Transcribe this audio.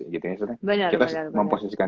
gitu ya kita memposisikan